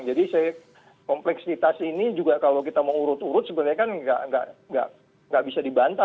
jadi kompleksitas ini juga kalau kita mau urut urut sebenarnya kan nggak bisa dibanta